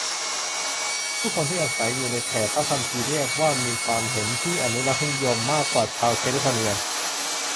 ผู้คนที่อาศัยอยู่ในแถบพระคัมภีร์เรียกว่ามีความคิดเห็นที่อนุรักษ์นิยมมากกว่าชาวแคลิฟอร์เนีย